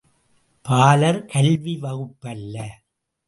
பாலர் கல்வி வகுப்பல்ல.